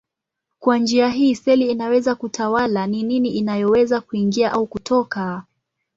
Kwa njia hii seli inaweza kutawala ni nini inayoweza kuingia au kutoka.